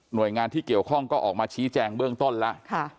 โดยงานที่เกี่ยวข้องก็ออกมาชี้แจงเบื้องต้นแล้ว